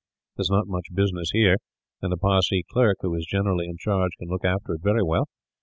There is not much business here; and the Parsee clerk, who is generally in charge, can look after it very well.